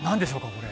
これ。